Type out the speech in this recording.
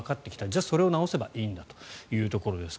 じゃあ、それを治せばいいんだというところです。